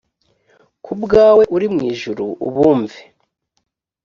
ku bwawe uri mu ijuru ubumve